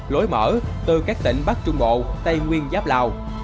lối mở từ các tỉnh bắc trung bộ tây nguyên giáp lào